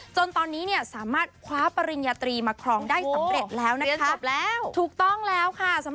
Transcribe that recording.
จนตอนนี้สามารถคว้าปริญญตรีมครองได้สำเร็จแล้วนะคะ